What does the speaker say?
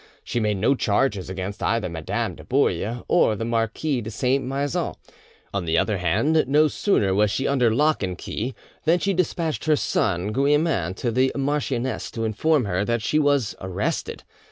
She made no charges against either Madame de Bouille or the Marquis de Saint Maixent. On the other hand, no sooner was she under lock and key than she despatched her son Guillemin to the marchioness to inform her that she was arrested.